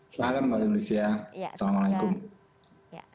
selamat malam mbak dulisia assalamu'alaikum